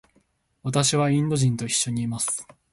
私はインド人と一緒にいます。